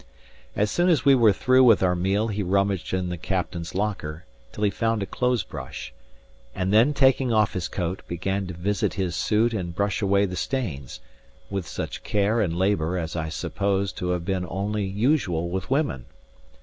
As soon as we were through with our meal he rummaged in the captain's locker till he found a clothes brush; and then taking off his coat, began to visit his suit and brush away the stains, with such care and labour as I supposed to have been only usual with women.